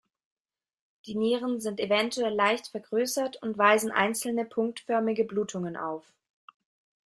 Die Nieren sind eventuell leicht vergrößert und weisen einzelne punktförmige Blutungen auf.